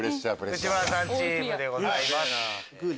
内村さんチームでございます。